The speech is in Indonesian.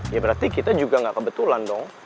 ya berarti kita juga nggak kebetulan dong